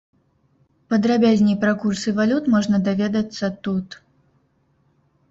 Падрабязней пра курсы валют можна даведацца тут.